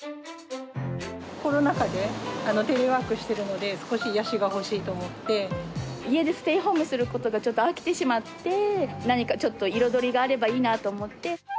コロナ禍で、テレワークしてるので、家でステイホームすることにちょっと飽きてしまって、何かちょっと彩りがあればいいなと思って。